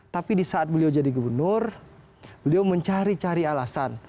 tapi di saat beliau jadi gubernur beliau mencari cari alasan